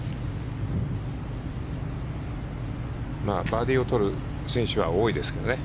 バーディーを取る選手は多いですけどね。